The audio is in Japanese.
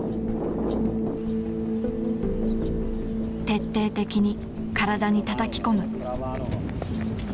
徹底的に体にたたき込む。